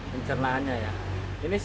pencernaan buang air aja